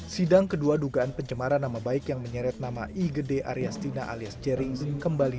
sidang kedua dugaan pencemaran nama baik yang menyeret nama igede aryastina alias jerry kembali